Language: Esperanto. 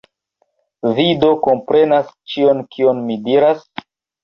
Vi do komprenas ĉion, kion mi diras?